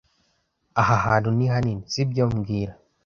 Aha hantu ni hanini, si byo mbwira